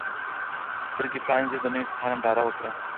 سترګې پرانیزه او د نوي سهار ننداره وکړه.